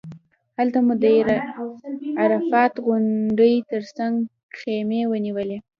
هلته مو د عرفات غونډۍ تر څنګ خیمې ونیولې.